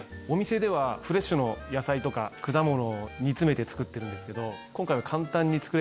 お店ではフレッシュの野菜とか果物を煮詰めて作ってるんですけど今回は。